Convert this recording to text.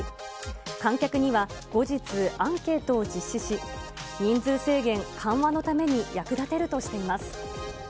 観客には、後日、アンケートを実施し、人数制限緩和のために役立てるとしています。